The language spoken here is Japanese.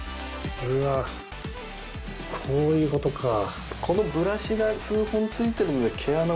うわこういうことかぁ。